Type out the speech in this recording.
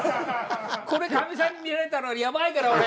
これかみさんに見られたらヤバいから俺。